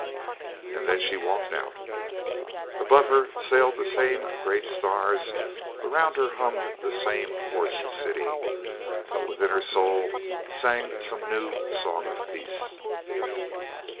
And then she walked out. Above her sailed the same great stars; around her hummed the same hoarse city; but within her soul sang some new song of peace.